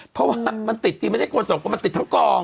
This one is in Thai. เพราะว่ามันติดจริงไม่ได้โกนส่งเพราะมันติดทั้งกล้อง